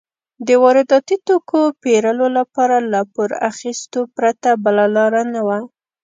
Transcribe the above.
د وارداتي توکو پېرلو لپاره له پور اخیستو پرته بله لار نه وه.